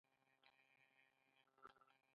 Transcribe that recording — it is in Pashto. ټاکنو پایلو ته چکچکې وهي.